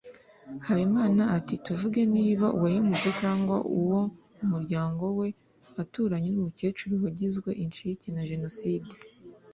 Habimana ati “tuvuge niba uwahemutse cyangwa uwo mu muryango we aturanye n’umukecuru wagizwe incike na Jenoside